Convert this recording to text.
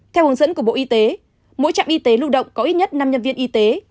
theo hướng dẫn của bộ y tế mỗi trạm y tế lưu động có ít nhất năm nhân viên y tế